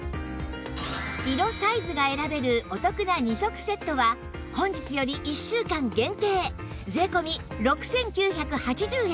色サイズが選べるお得な２足セットは本日より１週間限定税込６９８０円